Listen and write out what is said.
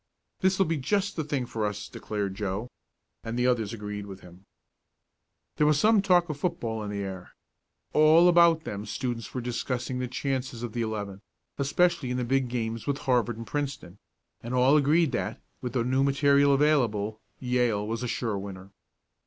"This'll be just the thing for us," declared Joe; and the others agreed with him. There was some talk of football in the air. All about them students were discussing the chances of the eleven, especially in the big games with Harvard and Princeton, and all agreed that, with the new material available, Yale was a sure winner.